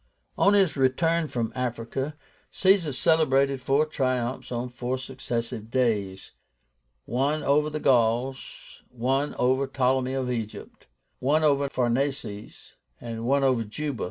On his return from Africa, Caesar celebrated four triumphs, on four successive days; one over the Gauls, one over Ptolemy of Egypt, one over Pharnaces, and one over Juba.